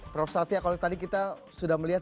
prof satya kalau tadi kita sudah melihat